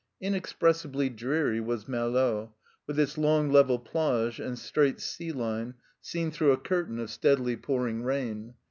Inexpressibly dreary was Malo, with its long level plage and straight sea line, seen through a curtain of steadily pouring rain.